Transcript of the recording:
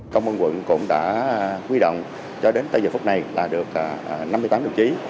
công an quận cũng đã quy động cho đến tận giờ phút này là được năm mươi tám đồng chí